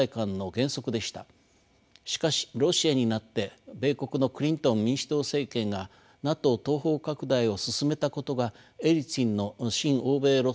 しかしロシアになって米国のクリントン民主党政権がＮＡＴＯ東方拡大を進めたことがエリツィンの親欧米路線を痛打します。